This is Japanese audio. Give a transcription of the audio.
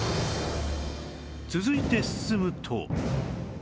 続いて進むと